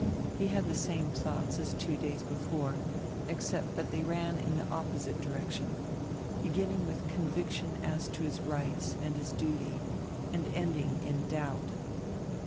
He had die same thoughts as two days before, except diat diey ran in die opposite direction, beginning widi conviction as to his rights and his duty and ending in doubt.